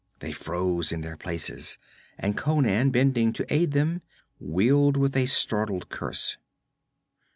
They froze in their places, and Conan, bending to aid them, wheeled with a startled curse.